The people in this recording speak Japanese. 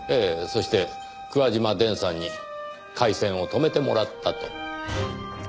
そして桑島伝さんに回線を止めてもらったと。